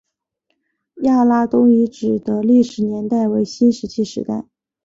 亚拉东遗址的历史年代为新石器时代。